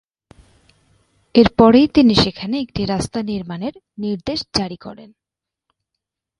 এরপরেই তিনি সেখানে একটি রাস্তা নির্মাণের নির্দেশ জারি করেন।